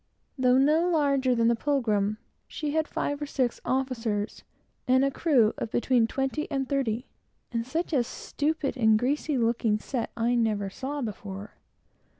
Though no larger than the Pilgrim, she had five or six officers, and a crew of between twenty and thirty; and such a stupid and greasy looking set, I certainly never saw before.